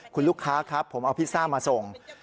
คุณลูกค้าครับผมเอาพิซซ่ามาส่ง